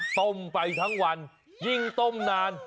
ต้มไปทั้งวันยิ่งต้มนาน